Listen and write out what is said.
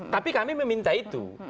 tapi kami meminta itu